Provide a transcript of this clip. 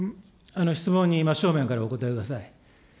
質問に真っ正面からお答えください。